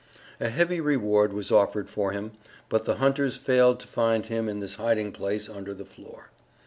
A heavy reward was offered for him, but the hunters failed to find him in this hiding place under the floor.